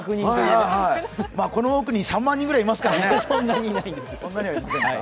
この奥に３万人ぐらいいますからね。